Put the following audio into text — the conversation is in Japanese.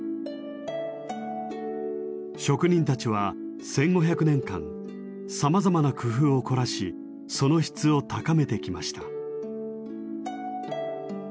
職人たちは１，５００年間さまざまな工夫を凝らしその質を高めてきました。